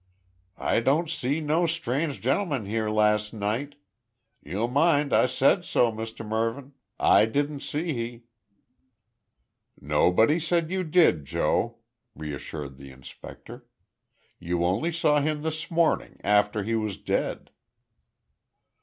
"I didn't see no strange gemmun 'ere last night. You'll mind I said so, Mus' Mervyn. I didn't see he." "Nobody said you did, Joe," reassured the inspector. "You only saw him this morning, after he was dead."